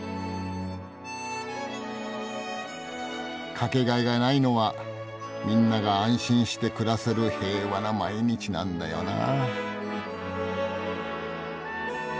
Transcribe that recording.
掛けがえがないのはみんなが安心して暮らせる平和な毎日なんだよなぁ。